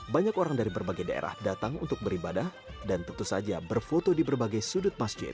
banyak orang dari berbagai daerah datang untuk beribadah dan tentu saja berfoto di berbagai sudut masjid